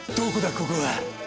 ここは。